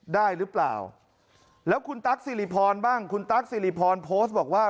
ได้หรือเปล่าแล้วคุณตั๊กสิริพรบ้างคุณตั๊กสิริพรโพสต์บอกว่า